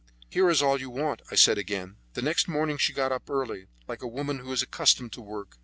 "Here is all you want," I said again. The next morning she got up early, like a woman who is accustomed to work.